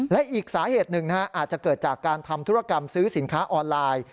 และอีกสาเหตุหนึ่งอาจจะเกิดจากการทำธุรกรรมซื้อสินค้าออนไลน์